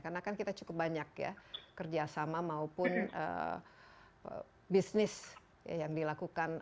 karena kan kita cukup banyak ya kerjasama maupun bisnis yang dilakukan